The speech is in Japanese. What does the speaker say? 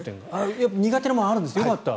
やっぱり苦手なものあるんですねよかった。